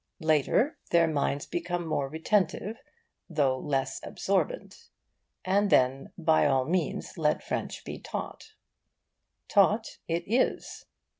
Later, their minds become more retentive, though less absorbent; and then, by all means, let French be taught. Taught it is.